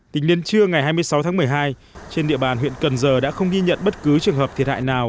tính đến trưa ngày hai mươi sáu tháng một mươi hai trên địa bàn huyện cần giờ đã không ghi nhận bất cứ trường hợp thiệt hại nào